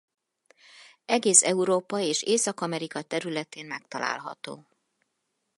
Egész Európa és Észak-Amerika területén megtalálható.